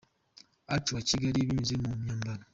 acu wa Kigali binyuze mu myambaro.